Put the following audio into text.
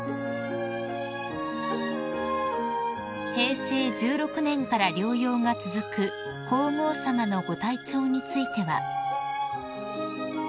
［平成１６年から療養が続く皇后さまのご体調については］